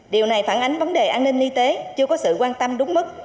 điều này phản ánh vấn đề an ninh y tế chưa có sự quan tâm đúng mức